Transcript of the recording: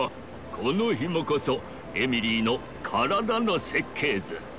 このヒモこそエミリーのカラダの設計図。